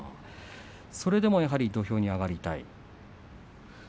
それでも土俵に上がりたい。